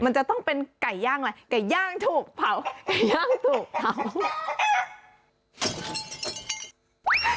มันจะต้องเป็นไก่ย่างอะไรไก่ย่างถูกเผาไก่ย่างถูกเผา